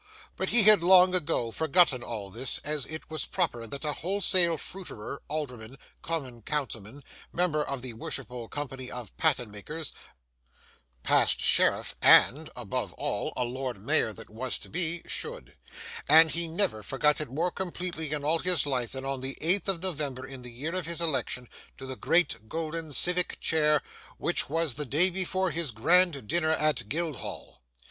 But he had long ago forgotten all this, as it was proper that a wholesale fruiterer, alderman, common councilman, member of the worshipful Company of Patten makers, past sheriff, and, above all, a Lord Mayor that was to be, should; and he never forgot it more completely in all his life than on the eighth of November in the year of his election to the great golden civic chair, which was the day before his grand dinner at Guildhall.